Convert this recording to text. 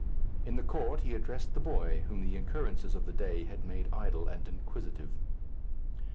In the court he addressed the boy, whom the occurrences of the day had made idle and inquisitive.